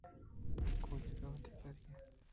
ءُ کُچک ءَ وتی پیری